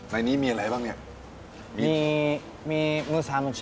ในนี้มีอะไรบ้างเนี่ย